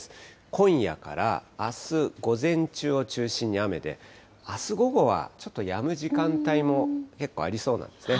今夜からあす午前中を中心に雨で、あす午後はちょっとやむ時間帯も結構ありそうなんですね。